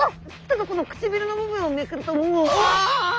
このくちびるの部分をめくるともううわ！って。